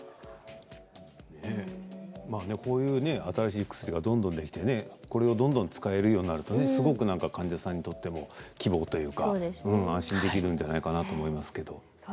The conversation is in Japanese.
新しい薬がどんどんできてこれをどんどん使えるようになるとすごく患者さんにとっても希望というかね、安心できるんじゃないかなと思いますけど。